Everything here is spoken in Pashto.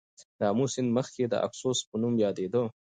د آمو سیند مخکې د آکوسس په نوم یادیده.